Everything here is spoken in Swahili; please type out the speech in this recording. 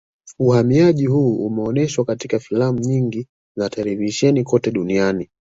Uhamiaji huu umeoneshwa katika filamu nyingi za televisheni kote duniani